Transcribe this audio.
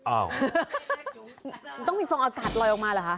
อ้าวต้องมีทรงอากาศลอยออกมาเหรอคะ